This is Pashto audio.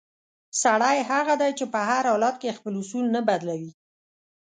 سړی هغه دی چې په هر حالت کې خپل اصول نه بدلوي.